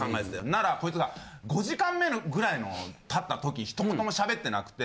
ならこいつが５時間目ぐらいの経った時ひと言もしゃべってなくて。